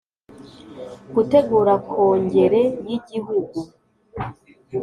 Gutegura Kongere y igihugu